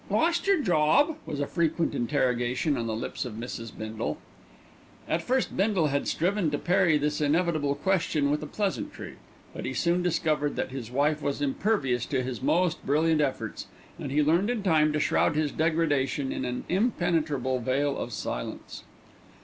"Lorst yer job?" was a frequent interrogation on the lips of Mrs. Bindle. At first Bindle had striven to parry this inevitable question with a pleasantry; but he soon discovered that his wife was impervious to his most brilliant efforts, and he learned in time to shroud his degradation in an impenetrable veil of silence.